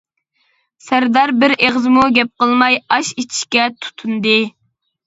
سەردار بىر ئېغىزمۇ گەپ قىلماي ئاش ئىچىشكە تۇتۇندى.